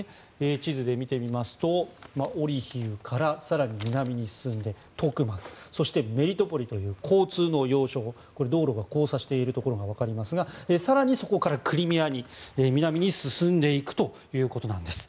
地図で見てみますとオリヒウから更に南に進んでトクマクそしてメリトポリという交通の要衝道路が交差しているところがわかりますが更にそこからクリミアに、南に進んでいくということです。